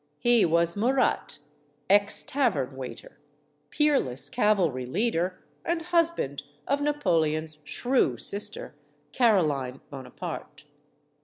He was Murat, ex tavern waiter, peerless cavalry leader, and husband of Napoleon's shrew sister, Caroline Bonaparte.